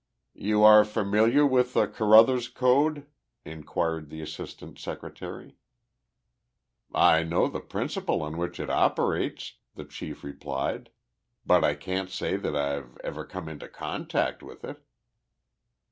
"You are familiar with the Carruthers Code?" inquired the Assistant Secretary. "I know the principle on which it operates," the chief replied, "but I can't say that I've ever come into contact with it."